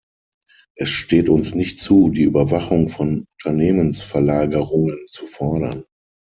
Es steht uns nicht zu, die "Überwachung" von Unternehmensverlagerungen zu fordern.